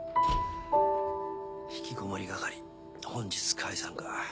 ひきこもり係本日解散か。